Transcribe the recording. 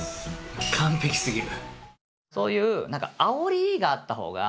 そういう何かあおりがあったほうが。